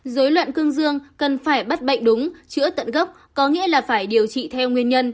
dối loạn cương dương cần phải bắt bệnh đúng chữa tận gốc có nghĩa là phải điều trị theo nguyên nhân